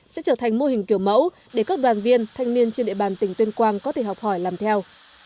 sẽ trở thành mô hình kiểu mẫu để các đoàn viên thanh niên trên địa bàn tỉnh tuyên quang có thể học hỏi làm theo